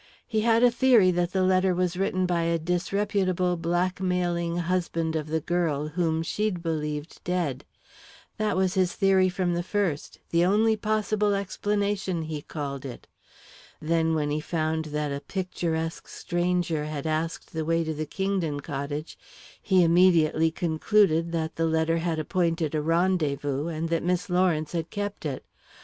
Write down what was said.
He had a theory that the letter was written by a disreputable, blackmailing husband of the girl, whom she'd believed dead. That was his theory from the first the only possible explanation, he called it. Then, when he found that a picturesque stranger had asked the way to the Kingdon cottage, he immediately concluded that the letter had appointed a rendezvous, and that Miss Lawrence had kept it.